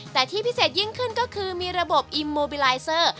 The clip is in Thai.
แต่ที่พิเศษยิ่งขึ้นก็คือมีระบบอิโมบิลายเซอร์